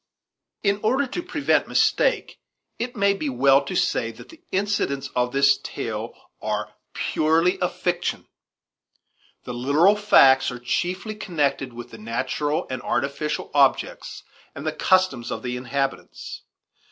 In order to prevent mistake, it may be well to say that the incidents of this tale are purely a fiction. The literal facts are chiefly connected with the natural and artificial objects and the customs of the inhabitants.